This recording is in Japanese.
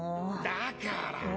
だから！